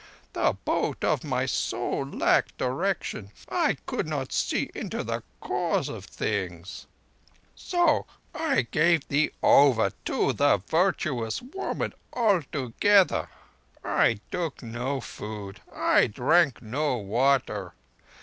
The boat of my soul lacked direction; I could not see into the Cause of Things. So I gave thee over to the virtuous woman altogether. I took no food. I drank no water.